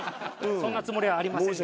そんなつもりはありませんでした。